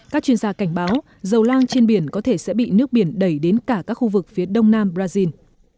các chuyên gia cảnh báo dầu loang trên biển có thể sẽ bị nước biển đẩy đến cả các khu vực phía đông nam brazil